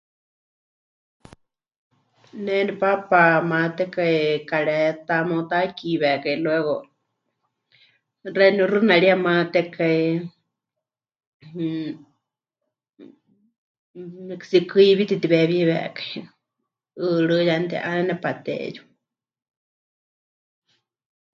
Ne nepaapa pɨmatekai kareta, meutakiwekai luego, xeeníu xɨnariya pɨmatekai, mmm, tsikɨiwitɨ pɨtiweewiwekai, 'ɨɨrɨ́, ya mɨti'ánene, pateyu.